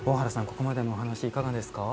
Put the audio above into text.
ここまでのお話いかがですか？